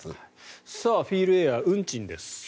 フィールエア運賃です。